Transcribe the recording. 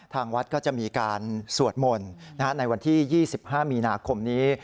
ทางวัดก็จะมีการสวดมนต์ในวันที่๒๕มีนาคมนี้